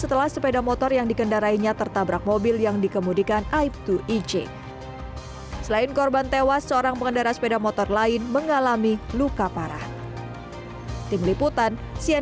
tersangka menetapkan tersangka di lokasi kejadian